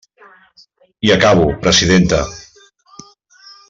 I acabo, presidenta.